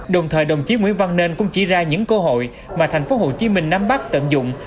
đồng thời đồng chí nguyễn văn nên cũng chỉ ra những cơ hội mà tp hcm nắm bắt tận dụng